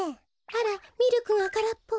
あらミルクがからっぽ。